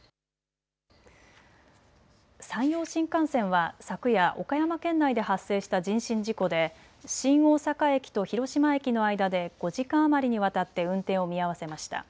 山陽新幹線は昨夜、岡山県内で発生した人身事故で新大阪駅と広島駅の間で５時間余りにわたって運転を見合わせました。